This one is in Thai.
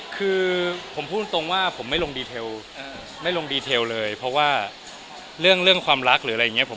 คือผมพูดตรงว่าผมไม่ลงดีเทลไม่ลงดีเทลเลยเพราะว่าเรื่องความรักหรืออะไรอย่างนี้